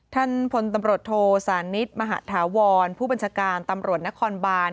ท่านพลตำรวจโทสานิทมหาธาวรผู้บัญชาการตำรวจนครบาน